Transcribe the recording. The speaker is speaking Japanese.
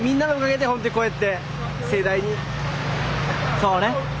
そうね。